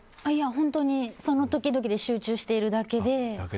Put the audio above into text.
本当に、その時々で集中しているだけで。